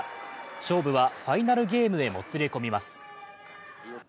勝負はファイナルゲームへもつれ込みます。